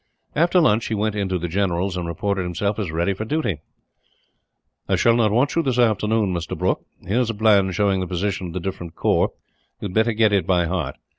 After lunch he went into the general's, and reported himself as ready for duty. "I shall not want you this afternoon, Mr. Brooke. Here is a plan showing the position of the different corps. You had better get it by heart.